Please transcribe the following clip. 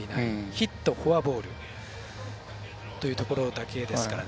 ヒット、フォアボールというところだけですからね。